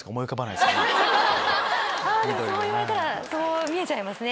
あそう言われたらそう見えちゃいますね。